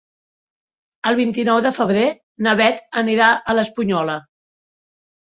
El vint-i-nou de febrer na Bet anirà a l'Espunyola.